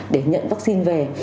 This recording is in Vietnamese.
để nhận vaccine về